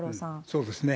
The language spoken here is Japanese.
そうですね。